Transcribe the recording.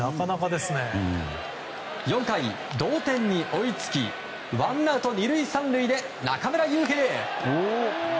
４回、同点に追いつきワンアウト２塁３塁で中村悠平。